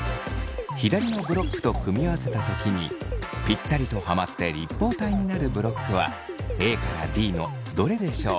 左のブロックと組み合わせた時にピッタリとはまって立方体になるブロックはＡからＤのどれでしょう？